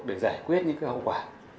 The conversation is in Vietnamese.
để giải quyết những cái hậu quả